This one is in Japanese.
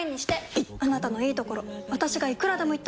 いっあなたのいいところ私がいくらでも言ってあげる！